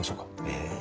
え。